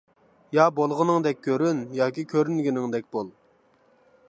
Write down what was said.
يا بولغىنىڭدەك كۆرۈن ياكى كۆرۈنگىنىڭدەك بول.